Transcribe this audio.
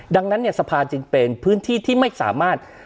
ดังนั้นเนี่ยสภาจึงเป็นพื้นที่ที่ไม่สามารถ